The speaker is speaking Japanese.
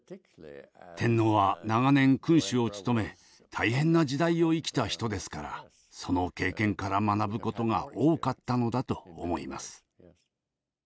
天皇は長年君主を務め大変な時代を生きた人ですからその経験から学ぶことが多かったのだと思います。